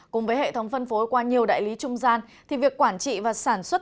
cùng với hệ thống phân phối qua nhiều đại lý trung gian thì việc quản trị và sản xuất